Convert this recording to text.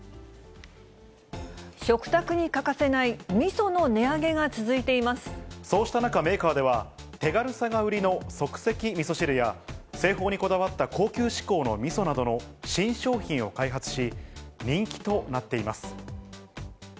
食卓に欠かせないみその値上そうした中、メーカーでは、手軽さが売りの即席みそ汁や、製法にこだわった高級志向のみそなどの新商品を開発し、人気となっています。